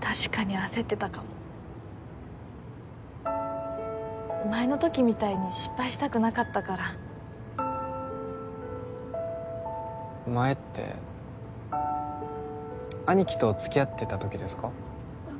確かに焦ってたかも前のときみたいに失敗したくなかったから前って兄貴と付き合ってたときですか？